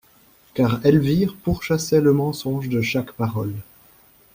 Car Elvire pourchassait le mensonge de chaque parole.